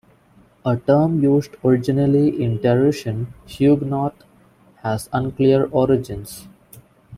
A term used originally in derision, "Huguenot" has unclear origins.